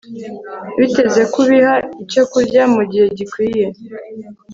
biteze ko ubiha icyo kurya mu gihe gikwiye